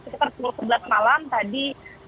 sekitar pukul sebelas malam tadi